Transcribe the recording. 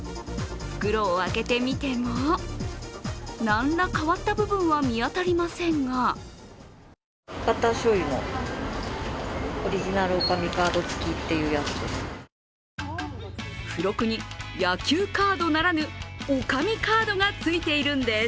袋を開けてみてもなんら変わった部分は見当たりませんが付録に野球カードならぬ女将カードがついているんです。